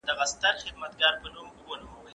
آیا ابادي سیمي تر ویجاړو سیمو ښکلي دي؟